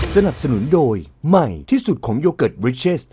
สนับสนุนโดยใหม่ที่สุดของโยเกิร์ตบริเชส